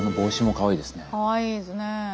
かわいいですね。